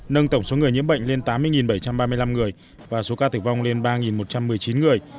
nâng tổng số người nhiễm bệnh lên tám mươi bảy trăm ba mươi năm người và số ca tử vong lên ba một trăm một mươi chín người